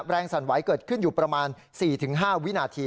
สั่นไหวเกิดขึ้นอยู่ประมาณ๔๕วินาที